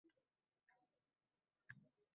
Shundoq ham yolg’iz odamlar.